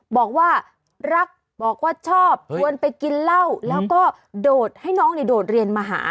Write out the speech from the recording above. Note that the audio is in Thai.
บอกว่ารักบอกว่าชอบชวนไปกินเหล้าแล้วก็โดดให้น้องโดดเรียนมาหา